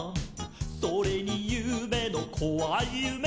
「それにゆうべのこわいゆめ」